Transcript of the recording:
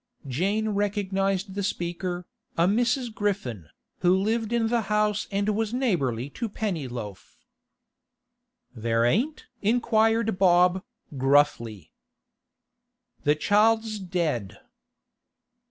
Jane recognised the speaker, a Mrs. Griffin, who lived in the house and was neighbourly to Pennyloaf. 'There ain't?' inquired Bob, gruffly. 'The child's dead.